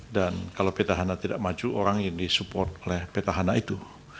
dan kalau petahana tidak maju orang yang disupport oleh petahana itu